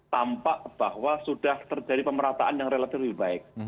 tampak bahwa sudah terjadi pemerataan yang relatif lebih baik